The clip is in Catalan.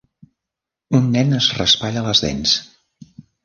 Un nen es raspalla les dents.